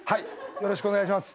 よろしくお願いします。